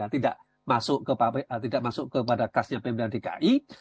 tidak masuk ke kas pemprov dki